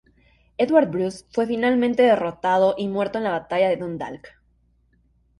Edward Bruce fue finalmente derrotado y muerto en la batalla de Dundalk.